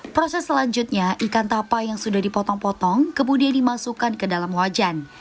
proses selanjutnya ikan tapa yang sudah dipotong potong kemudian dimasukkan ke dalam wajan